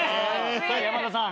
さあ山田さん。